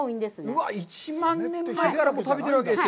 うわあ、１万年前から食べてるわけですよ。